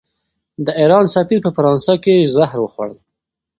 د ایران سفیر په فرانسه کې زهر وخوړل.